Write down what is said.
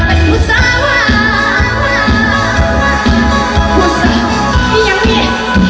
ผู้สาวยังมี